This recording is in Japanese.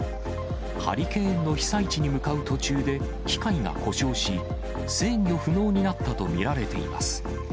ハリケーンの被災地に向かう途中で機械が故障し、制御不能になったと見られています。